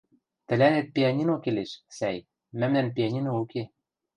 — Тӹлӓнет пианино келеш, сӓй, мӓмнӓн пианино уке.